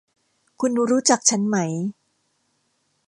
คุณรู้จักฉันไหม